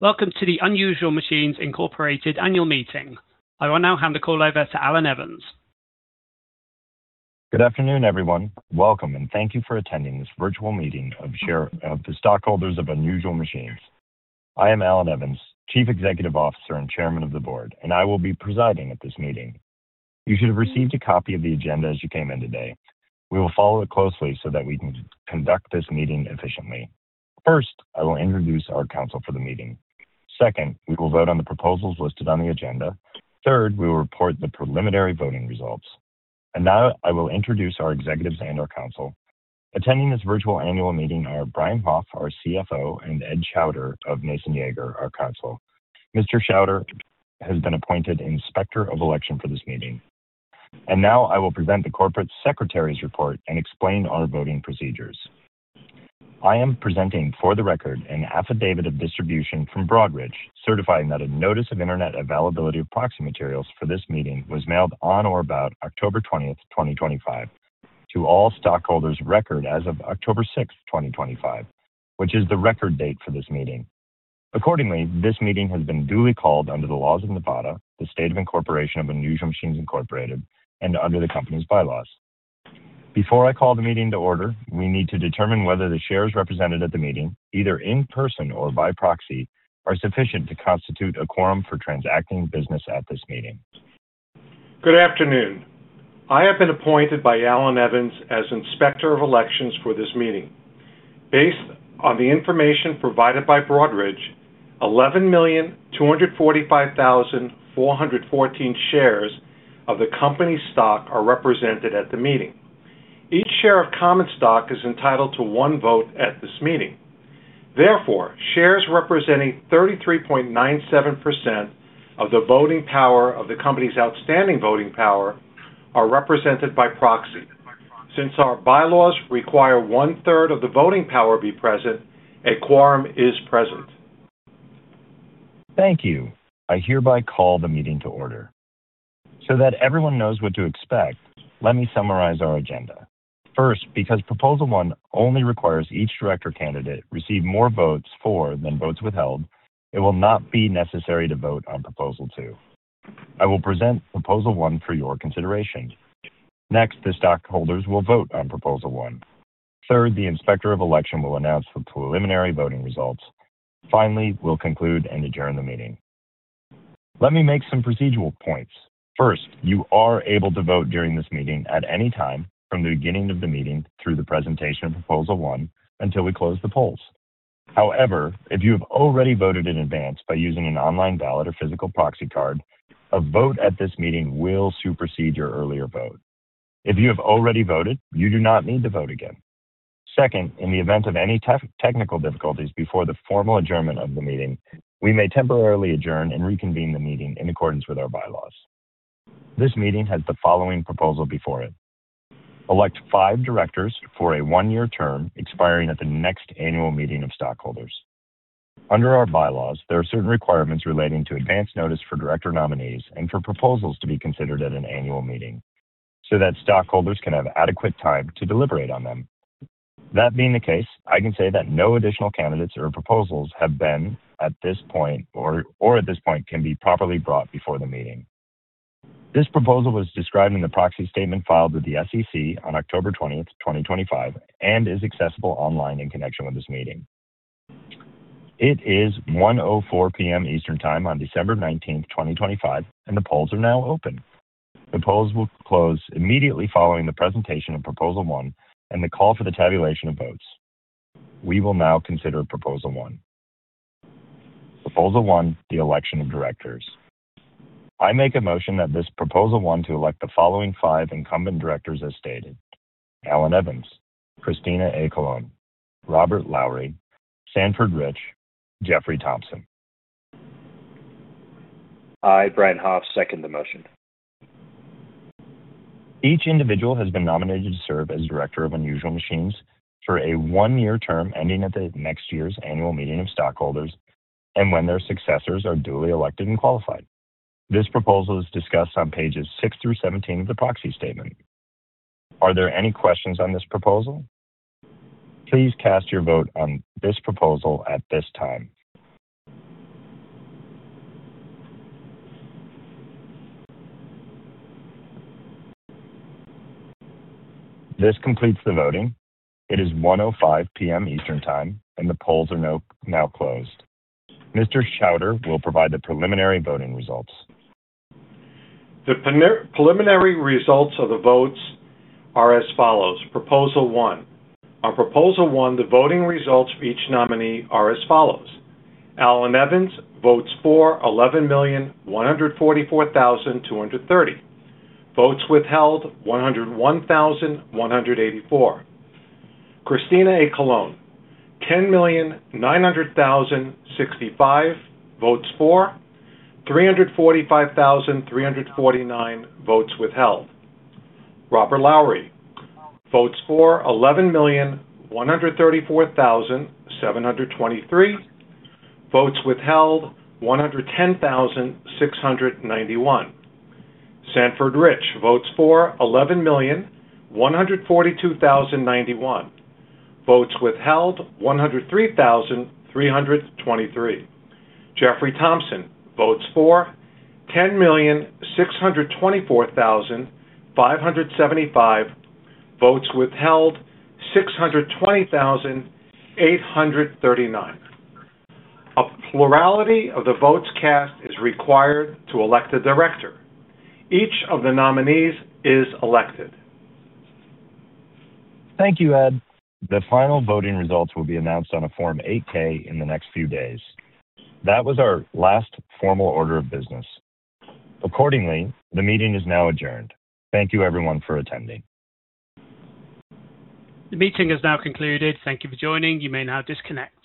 Welcome to the Unusual Machines Incorporated annual meeting. I will now hand the call over to Allan Evans. Good afternoon, everyone. Welcome, and thank you for attending this virtual meeting of the stockholders of Unusual Machines. I am Allan Evans, Chief Executive Officer and Chairman of the Board, and I will be presiding at this meeting. You should have received a copy of the agenda as you came in today. We will follow it closely so that we can conduct this meeting efficiently. First, I will introduce our counsel for the meeting. Second, we will vote on the proposals listed on the agenda. Third, we will report the preliminary voting results. And now I will introduce our executives and our counsel. Attending this virtual annual meeting are Brian Hoff, our CFO, and Ed Schauder of Nason Yeager, our counsel. Mr. Schauder has been appointed Inspector of Election for this meeting. And now I will present the corporate secretary's report and explain our voting procedures. I am presenting for the record an affidavit of distribution from Broadridge certifying that a notice of internet availability of proxy materials for this meeting was mailed on or about October 20th, 2025, to all stockholders of record as of October 6th, 2025, which is the record date for this meeting. Accordingly, this meeting has been duly called under the laws of Nevada, the state of incorporation of Unusual Machines Incorporated, and under the company's bylaws. Before I call the meeting to order, we need to determine whether the shares represented at the meeting, either in person or by proxy, are sufficient to constitute a quorum for transacting business at this meeting. Good afternoon. I have been appointed by Allan Evans as Inspector of Election for this meeting. Based on the information provided by Broadridge, 11,245,414 shares of the company's stock are represented at the meeting. Each share of common stock is entitled to one vote at this meeting. Therefore, shares representing 33.97% of the voting power of the company's outstanding voting power are represented by proxy. Since our bylaws require one-third of the voting power to be present, a quorum is present. Thank you. I hereby call the meeting to order. So that everyone knows what to expect, let me summarize our agenda. First, because Proposal 1 only requires each director candidate receive more votes for than votes withheld, it will not be necessary to vote on Proposal 2. I will present Proposal 1 for your consideration. Next, the stockholders will vote on Proposal 1. Third, the Inspector of Election will announce the preliminary voting results. Finally, we'll conclude and adjourn the meeting. Let me make some procedural points. First, you are able to vote during this meeting at any time from the beginning of the meeting through the presentation of Proposal 1 until we close the polls. However, if you have already voted in advance by using an online ballot or physical proxy card, a vote at this meeting will supersede your earlier vote. If you have already voted, you do not need to vote again. Second, in the event of any technical difficulties before the formal adjournment of the meeting, we may temporarily adjourn and reconvene the meeting in accordance with our bylaws. This meeting has the following proposal before it. Elect five directors for a one-year term expiring at the next annual meeting of stockholders. Under our bylaws, there are certain requirements relating to advance notice for director nominees and for proposals to be considered at an annual meeting so that stockholders can have adequate time to deliberate on them. That being the case, I can say that no additional candidates or proposals have been or at this point can be properly brought before the meeting. This proposal was described in the proxy statement filed with the SEC on October 20th, 2025, and is accessible online in connection with this meeting. It is 1:04 P.M. Eastern Time on December 19th, 2025, and the polls are now open. The polls will close immediately following the presentation of Proposal 1 and the call for the tabulation of votes. We will now consider Proposal 1. Proposal 1, the election of directors. I make a motion that this Proposal 1 to elect the following five incumbent directors as stated: Allan Evans, Cristina H. Colon, Robert Lowry, Sanford Rich, Jeffrey Thompson. I, Brian Hoff, second the motion. Each individual has been nominated to serve as director of Unusual Machines for a one-year term ending at the next year's annual meeting of stockholders and when their successors are duly elected and qualified. This proposal is discussed on pages 6 through 17 of the proxy statement. Are there any questions on this proposal? Please cast your vote on this proposal at this time. This completes the voting. It is 1:05 P.M. Eastern Time, and the polls are now closed. Mr. Schauder will provide the preliminary voting results. The preliminary results of the votes are as follows. Proposal 1. On Proposal 1, the voting results for each nominee are as follows. Allan Evans votes for 11,144,230. Votes withheld 101,184. Cristina H. Colon, 10,900,065 votes for, 345,349 votes withheld. Robert Lowry votes for 11,134,723. Votes withheld 110,691. Sanford Rich votes for 11,142,091. Votes withheld 103,323. Jeffrey Thompson votes for 10,624,575. Votes withheld 620,839. A plurality of the votes cast is required to elect a director. Each of the nominees is elected. Thank you, Ed. The final voting results will be announced on a Form 8-K in the next few days. That was our last formal order of business. Accordingly, the meeting is now adjourned. Thank you, everyone, for attending. The meeting is now concluded. Thank you for joining. You may now disconnect.